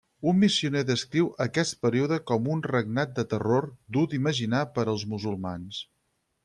Un missioner descriu aquest període com un regnat de terror dur d'imaginar per als musulmans.